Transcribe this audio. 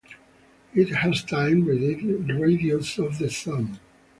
It has times the radius of the Sun.